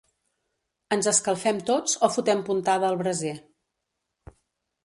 Ens escalfem tots o fotem puntada al braser.